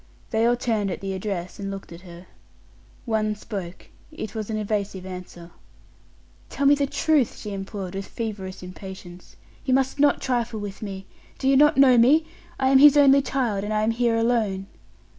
They all turned at the address, and looked at her. One spoke; it was an evasive answer. "Tell me the truth!" she implored, with feverish impatience: "you must not trifle with me. Do you not know me? I am his only child, and I am here alone."